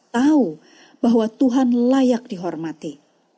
tahu bahwa tuhan layak dihormati